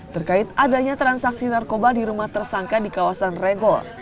terkait adanya transaksi narkoba di rumah tersangka di kawasan regol